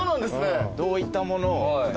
どういったものを普段。